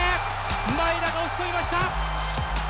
前田が押し込みました。